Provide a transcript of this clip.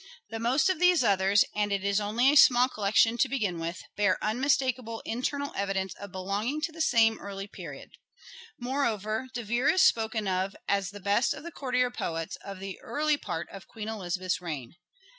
The most of these others, and it is only a small collection to begin with, bear unmistakable internal evidence of belonging to the same early period. Moreover, De Vere is spoken of as " the best of the courtier poets of the early part of Queen Elizabeth's reign."